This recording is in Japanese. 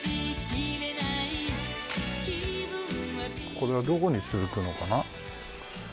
これはどこに続くのかな？